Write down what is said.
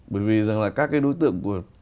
bởi vì rằng là các cái đối tượng của